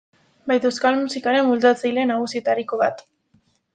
Baita euskal musikaren bultzatzaile nagusietariko bat.